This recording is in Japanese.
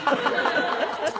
ハハハハ！